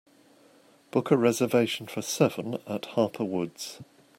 Book a reservation for seven at Harper Woods